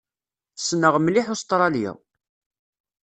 Ssneɣ mliḥ Ustṛalya.